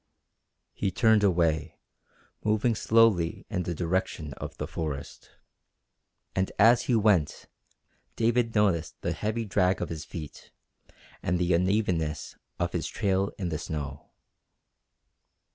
He turned away, moving slowly in the direction of the forest. And as he went David noticed the heavy drag of his feet, and the unevenness of his trail in the snow.